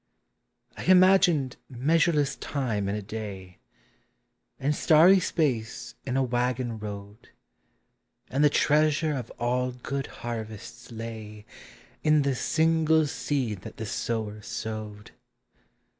I imagined measureless time in a day, And starry space in a waggon road, And the treasure of all good harvests lay In the single seed that the sower sowed.